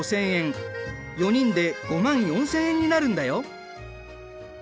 ４人で５万４，０００円になるんだよ。